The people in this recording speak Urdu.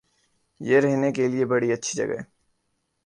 یہ رہنے کےلئے بڑی اچھی جگہ ہے